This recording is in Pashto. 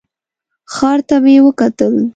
ښار ته مې وکتل.